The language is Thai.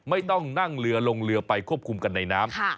ไม่ต้องนั่งเรือลงเรือไปควบคุมกันในน้ำ